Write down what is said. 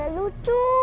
apa yang kamu lakukan